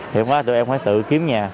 hiện quá tụi em phải tự kiếm nhà